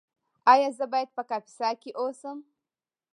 ایا زه باید په کاپیسا کې اوسم؟